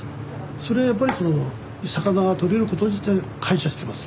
それはやっぱり魚が取れること自体感謝してます。